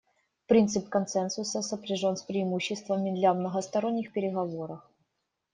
Принцип консенсуса сопряжен с преимуществами для многосторонних переговоров.